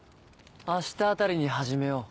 明日あたりに始めよう。